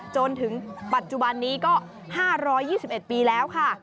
จนถึงปัจจุบันนี้ก็๕๒๑ปีแล้วค่ะ